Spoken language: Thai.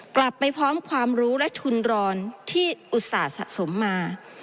กลับไปพร้อมความรู้และทุนรอนที่อุตส่าห์สะสมมา